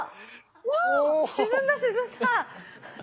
沈んだ沈んだ。